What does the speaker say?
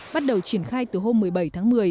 bắt đầu triển khai từ hôm một mươi bảy tháng một mươi